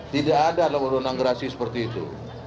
tidak ada renang renang gerasi seperti itu